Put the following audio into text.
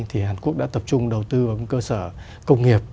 thì hàn quốc đã tập trung đầu tư vào cơ sở công nghiệp